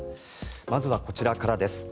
まずはこちらからです。